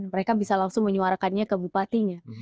mereka bisa langsung menyuarakannya ke bupatinya